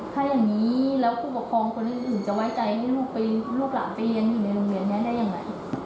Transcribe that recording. ถ้าอย่างนี้แล้วผู้ปกครองคนอื่นจะไว้ใจให้ลูกหลานไปเรียนอยู่ในโรงเรียนนี้ได้ยังไง